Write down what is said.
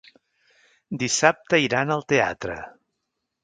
Dissabte iran al teatre.